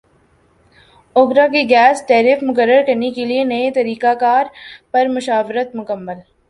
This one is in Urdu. اوگرا کی گیس ٹیرف مقرر کرنے کیلئے نئے طریقہ کار پر مشاورت مکمل